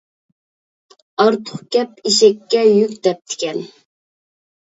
«ئارتۇق گەپ ئېشەككە يۈك» دەپتىكەن.